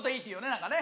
何かね